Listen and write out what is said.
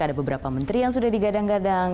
ada beberapa menteri yang sudah digadang gadang